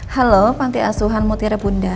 halo pantai asuhan mutira bunda